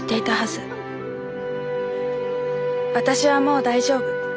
私はもう大丈夫。